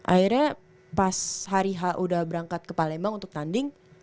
akhirnya pas hari h udah berangkat ke palembang untuk tanding